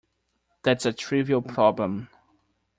That's a trivial problem.